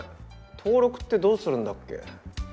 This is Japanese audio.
登録ってどうするんだっけ？